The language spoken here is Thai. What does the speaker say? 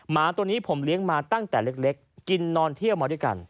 หมาตัวนี้ผมเลี้ยงมาตั้งแต่เล็กกินนอนเที่ยวมาด้วยกัน